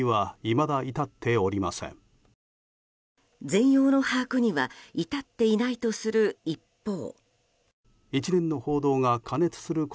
全容の把握には至っていないとする一方。